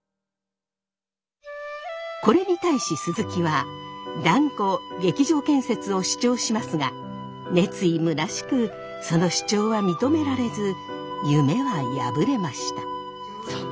これに対し鈴木は断固劇場建設を主張しますが熱意むなしくその主張は認められず夢は破れました。